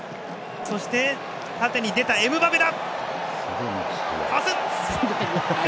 そして縦に出たエムバペだ。